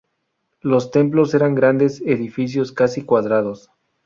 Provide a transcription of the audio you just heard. Los templos eran grandes edificios, casi cuadrados.